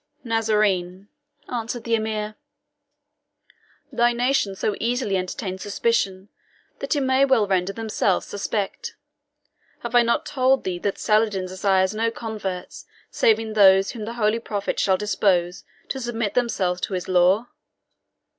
"Nazarene," answered the Emir, "thy nation so easily entertain suspicion that it may well render themselves suspected. Have I not told thee that Saladin desires no converts saving those whom the holy Prophet shall dispose to submit themselves to his law?